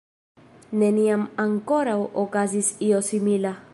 Neniam ankoraŭ okazis io simila.